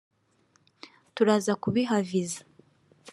turaza kubiha viza